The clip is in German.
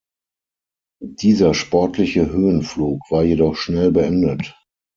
Dieser sportliche Höhenflug war jedoch schnell beendet.